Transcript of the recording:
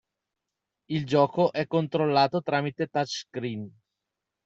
Il gioco è controllato tramite touch-screen.